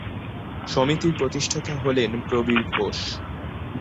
সমিতির প্রতিষ্ঠাতা হলেন প্রবীর ঘোষ।